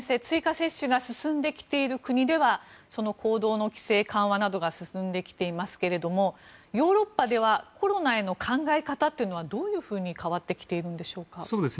追加接種が進んできている国では行動の規制緩和などが進んできていますけどヨーロッパではコロナへの考え方というのはどういうふうに変わってきているんでしょうか？